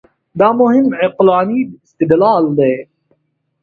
دا مهم عقلاني استدلال دی.